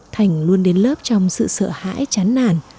thành luôn đến lớp trong sự sợ hãi chán nản